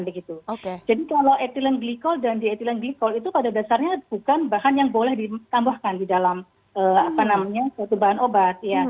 jadi kalau ethylene glycol dan diethylene glycol itu pada dasarnya bukan bahan yang boleh ditambahkan di dalam bahan obat